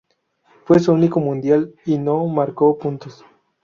Fue su único Mundial y no marcó puntos.